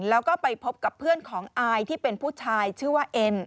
แล้วก็ไปพบกับเพื่อนของอายที่เป็นผู้ชายชื่อว่าเอ็ม